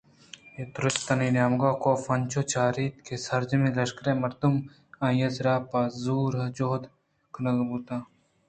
اے دُرٛستانی نیمگءَ کاف ءَانچوش چارات کہ سرجم ءَ لشکرے مردم آئی ءِ سر ا پہ زور جوکہ کنگ بوتگ